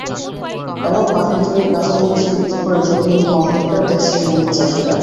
এমন পানির দরে কাঁচা মরিচ বিক্রি করে চোখে-মুখে অন্ধকার দেখছেন মরিচচাষিরা।